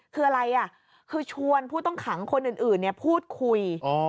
คืออะไรคือชวนผู้ต้องขังคนอื่นพูดคุย